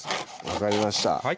分かりました